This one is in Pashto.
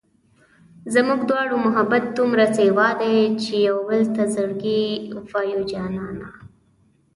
زموږ دواړو محبت دومره سېوا دی چې و يوبل ته زړګی وایو جانانه